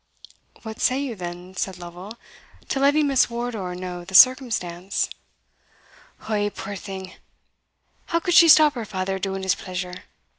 "What say you then," said Lovel, "to letting Miss Wardour know the circumstance?" "Ou, puir thing, how could she stop her father doing his pleasure?